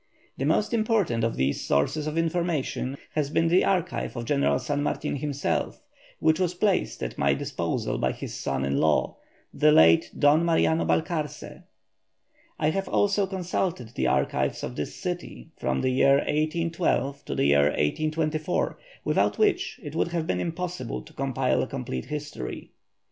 The most important of these sources of information has been the archive of General San Martin himself, which was placed at my disposal by his son in law, the late Don Mariano Balcarce. I have also consulted the archives of this city from the year 1812 to the year 1824, without which it would have been impossible to compile a complete history.